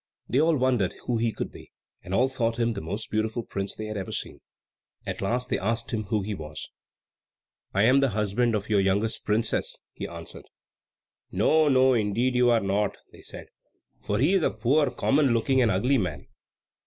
They all wondered who he could be, and all thought him the most beautiful prince that had ever been seen. At last they asked him who he was. "I am the husband of your youngest princess," he answered. "No, no, indeed you are not," they said; "for he is a poor, common looking, and ugly man."